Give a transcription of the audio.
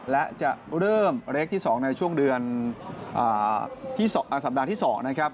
และจะเริ่มเลขที่๒ในช่วงเดือนสัปดาห์ที่๒นะครับ